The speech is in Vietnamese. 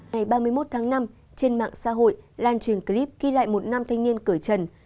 ngày ba mươi một tháng năm trên mạng xã hội lan truyền clip ghi lại một nam thanh niên cửa trần